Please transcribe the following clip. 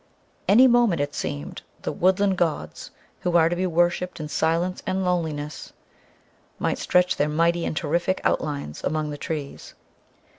Any moment, it seemed, the woodland gods, who are to be worshipped in silence and loneliness, might stretch their mighty and terrific outlines among the trees.